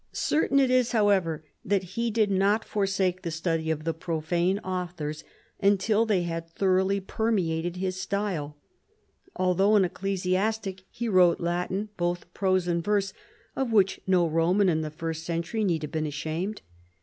Certain it is, however, that he did not forsake the study of the profane authors, until they had thoroughly per meated his style. Although an ecclesiastic he wrote Latin, both prose and vferse, of which no Roman in the first century need have been ashamed.